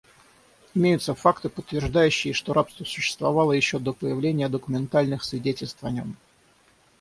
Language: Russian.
Имеются факты, подтверждающие, что рабство существовало еще до появления документальных свидетельств о нем.